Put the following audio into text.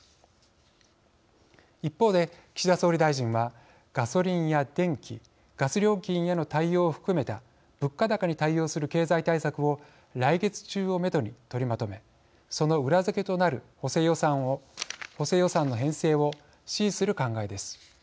一方で岸田総理大臣はガソリンや電気ガス料金への対応を含めた物価高に対応する経済対策を来月中をめどに取りまとめその裏付けとなる補正予算の編成を指示する考えです。